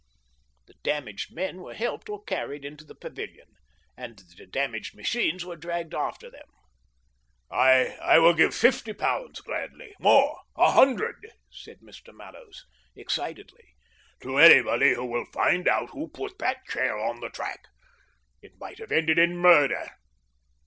The damaged men were helped or carried into the pavilion, and the damaged machines were dragged after them. " I will give fifty pounds gladly — more, a hundred," said Mr. Mallows, excitedly, " to anybody who will find out who put that chair on the track. It might have ended in murder.